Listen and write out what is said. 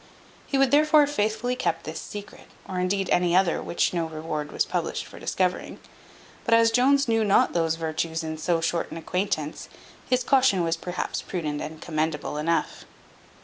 He would therefore have faithfully kept this secret, or indeed any other which no reward was published for discovering. But as Jones knew not those virtues in so short an acquaintance, his caution was perhaps prudent and commendable enough.